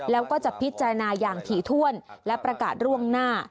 แล้วก็จะพิจารณาอย่างถี่ถ้วนและประกาศล่วงหน้า